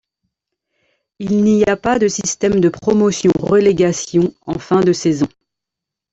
Il n'y a pas de système de promotion-relégation en fin de saison.